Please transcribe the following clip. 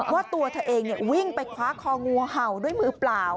ว่าตัวเธอเองวิ่งไปคว้าคองูเห่าด้วยมือเปล่า